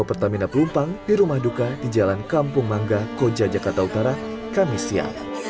pertamina pelumpang di rumah duka di jalan kampung mangga koja jakarta utara kamis siang